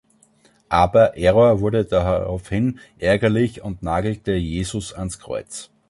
Aber Error wurde daraufhin ärgerlich und nagelte Jesus ans Kreuz.